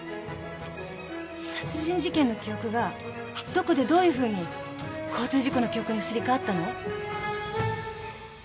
殺人事件の記憶がどこでどういうふうに交通事故の記憶にすり替わったの？